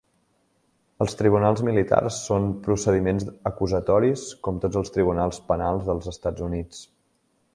Els tribunals militars són procediments acusatoris, com tots els tribunals penals dels Estats Units.